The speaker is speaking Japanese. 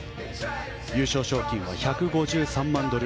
優勝賞金は１５３万ドル